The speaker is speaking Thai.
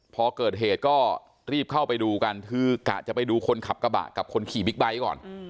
พอเกิดเหตุก็รีบเข้าไปดูกันคือกะจะไปดูคนขับกระบะกับคนขี่บิ๊กไบท์ก่อน